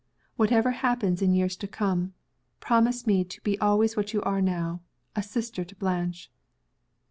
Whatever happens in years to come promise me to be always what you are now, a sister to Blanche.